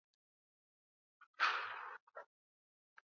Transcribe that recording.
Aung Naing Soe hata hivyo ambaye ana uzoefu na waandishi walioko uhamishoni